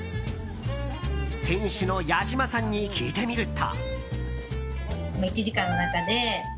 店主の矢嶋さんに聞いてみると。